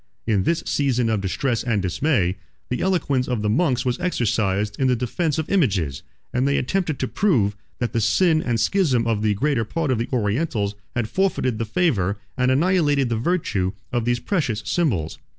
16 In this season of distress and dismay, the eloquence of the monks was exercised in the defence of images; and they attempted to prove, that the sin and schism of the greatest part of the Orientals had forfeited the favor, and annihilated the virtue, of these precious symbols.